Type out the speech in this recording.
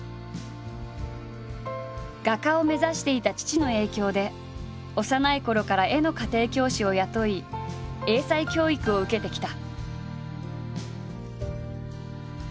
画家を目指していた父の影響で幼いころから絵の家庭教師を雇い英才教育を受けてきた。